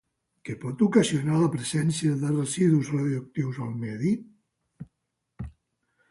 Què pot ocasionar la presència de residus radioactius al medi?